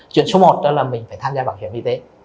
chuyện số một đó là mình phải tham gia bảo hiểm y tế